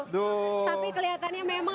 tapi kelihatannya memang